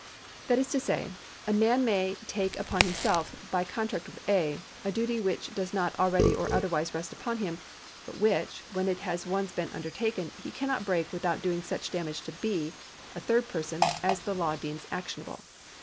That is to say, a man may take upon himself, by a contract with A., a duty which does not already or otherwise rest upon him, but which, when it has once been undertaken, he cannot break without doing such damage to B., a third person, as the law deems actionable.